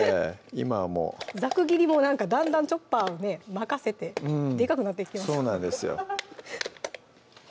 今はもうざく切りもなんかだんだんチョッパーね任せてでかくなってきてますそうなんですよ